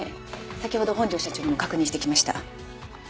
先ほど本庄社長にも確認してきました。